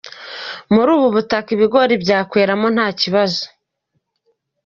Muri ubu butaka ibigori byakweramo nta kibazo.